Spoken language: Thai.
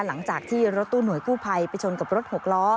หลังจากที่รถตู้หน่วยกู้ภัยไปชนกับรถหกล้อ